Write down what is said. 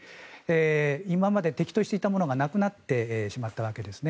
今まで敵対していたものがなくなってしまったわけです。